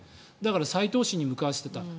再投資に向かわせていた。